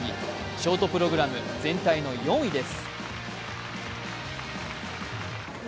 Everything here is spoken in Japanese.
ショートプログラム、全体の４位です。